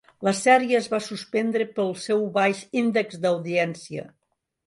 La sèrie es va suspendre pel seu baix índex d'audiència.